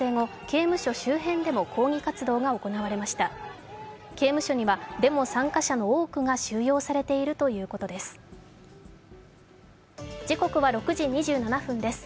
刑務所にはデモ参加者の多くが収容されているということです。